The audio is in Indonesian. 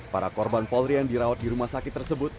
para korban polri yang dirawat di rumah sakit tersebut